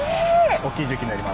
大きい重機になります。